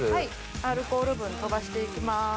アルコール分飛ばして行きます。